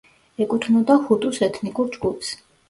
ეკუთვნოდა ჰუტუს ეთნიკურ ჯგუფს.